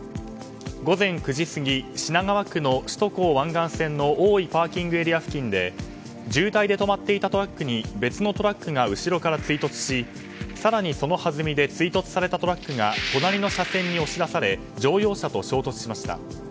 午前９時過ぎ、品川区の首都高速湾岸線の大井ＰＡ付近で渋滞で止まっていたトラックに別のトラックが後ろから衝突し更に、そのはずみで追突されたトラックが隣の車線に押し出され乗用車と衝突しました。